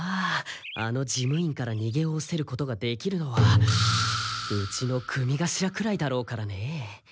あの事務員からにげおおせることができるのはうちの組頭くらいだろうからね。